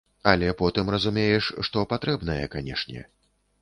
Але потым разумееш, што патрэбнае, канешне.